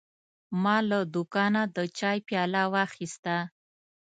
ما له دوکانه د چای پیاله واخیسته.